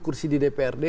kursi di dprd